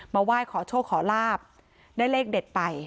ไหว้ขอโชคขอลาบได้เลขเด็ดไป